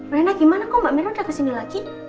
rena gimana kok mbak mira udah kesini lagi